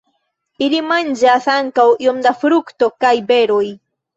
Ili manĝas ankaŭ iom da frukto kaj beroj.